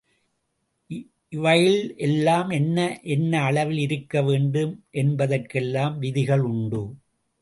இவைள் எல்லாம் என்ன என்ன அளவில் இருக்க வேண்டும் என்பதற்கெல்லாம் விதிகள் உண்டு.